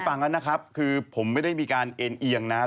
อันนี้ผมไม่ได้พูดนะ